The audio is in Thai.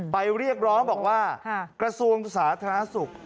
เรียกร้องบอกว่ากระทรวงสาธารณสุข